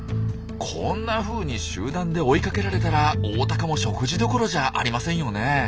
こんなふうに集団で追いかけられたらオオタカも食事どころじゃありませんよね。